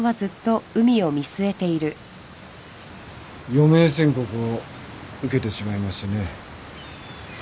余命宣告を受けてしまいましてね。